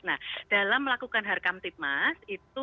nah dalam melakukan harkam tipmas itu